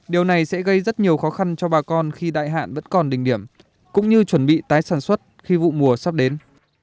điều này sẽ gây rất nhiều khó khăn cho bà con khi đại hạn vẫn còn đỉnh điểm cũng như chuẩn bị tái sản xuất khi vụ mùa sắp đến